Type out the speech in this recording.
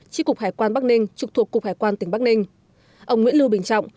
tri cục hải quan bắc ninh trục thuộc cục hải quan tỉnh bắc ninh ông nguyễn lưu bình trọng